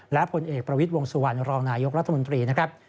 และผลเอกประวิทย์วงสุวรรณรองนายกรัฐมนตรีนะครับ